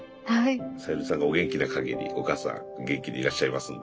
さゆりさんがお元気なかぎりお母さん元気でいらっしゃいますんで。